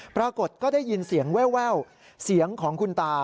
ปรากฏก็ได้ยินเสียงแววเสียงของคุณตา